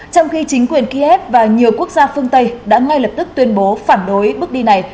trong khi chính quyền kiev và nhiều quốc gia phương tây đã ngay lập tức tuyên bố phản đối bước đi này